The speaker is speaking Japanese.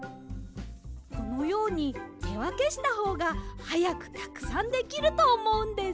このようにてわけしたほうがはやくたくさんできるとおもうんです。